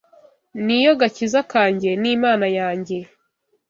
Ni yo gakiza kanjye n’Imana yanjye.